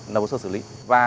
lập hồ sơ xử lý